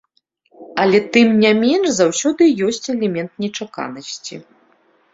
Але тым не менш заўсёды ёсць элемент нечаканасці.